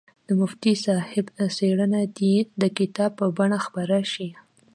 د مفتي صاحب څېړنه دې د کتاب په بڼه خپره شي.